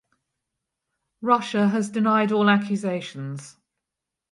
Russia has denied all accusations.